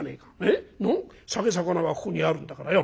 酒肴はここにあるんだからよ。